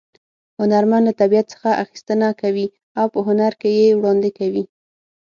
هنرمن له طبیعت څخه اخیستنه کوي او په هنر کې یې وړاندې کوي